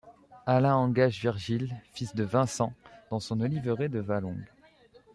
Alain engage Virgile, fils de Vincent, dans son oliveraie de Vallongue.